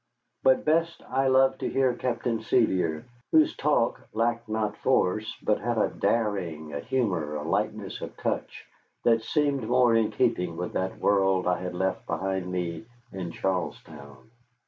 But best I loved to hear Captain Sevier, whose talk lacked not force, but had a daring, a humor, a lightness of touch, that seemed more in keeping with that world I had left behind me in Charlestown.